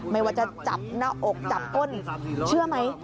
ไม่ว่าจะจับหน้าอกจับก้นเชื่อไหม